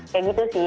kayak gitu sih